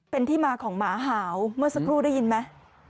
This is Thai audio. เป็นที่มาของหมาหาวเมื่อสักครู่ได้ยินไหม